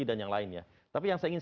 dan yang lainnya tapi yang saya ingin